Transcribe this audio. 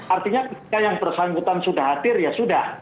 artinya ketika yang bersangkutan sudah hadir ya sudah